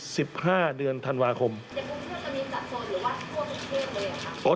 สิบห้าเดือนธันวาคมเดี๋ยวคุณเพื่อนจะมีจัดโซนหรือว่าทั่วทุกเทพเลยอ่ะครับ